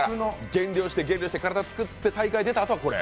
減量して減量して大会出たあとはこれ？